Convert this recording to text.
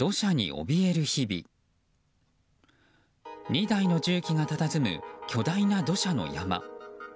２台の重機がたたずむ巨大な土砂の山。